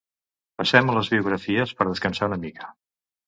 Passem a les biografies per descansar una mica.